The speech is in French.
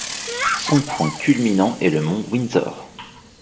Son point culminant est le mont Windsor.